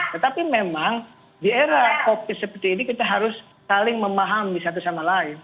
tetapi memang di era covid seperti ini kita harus saling memahami satu sama lain